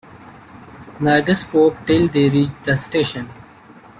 Neither spoke till they reached the station.